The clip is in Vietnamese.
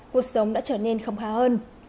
cuộc sống đã trở nên không khá hơn